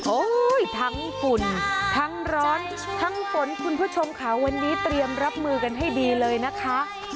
ทั้งฝุ่นทั้งร้อนทั้งฝนคุณผู้ชมค่ะวันนี้เตรียมรับมือกันให้ดีเลยนะคะ